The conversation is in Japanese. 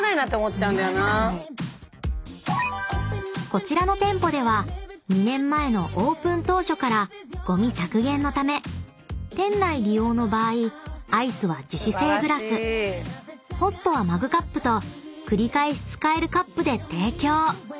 ［こちらの店舗では２年前のオープン当初からゴミ削減のため店内利用の場合アイスは樹脂製グラスホットはマグカップと繰り返し使えるカップで提供］